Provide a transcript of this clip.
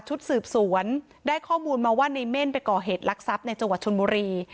ชุดสืบสวนได้ข้อมูลมาว่าในเม่นไปก่อเหตุลักษัพในจังหวัดชนบุรี